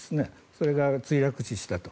それが墜落死したと。